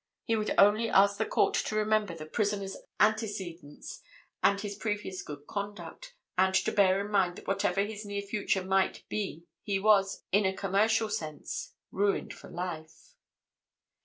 He would only ask the Court to remember the prisoner's antecedents and his previous good conduct, and to bear in mind that whatever his near future might be he was, in a commercial sense, ruined for life.